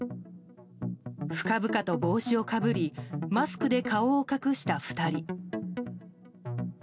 深々と帽子をかぶりマスクで顔を隠した２人。